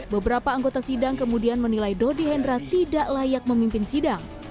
beberapa anggota sidang kemudian menilai dodi hendra tidak layak memimpin sidang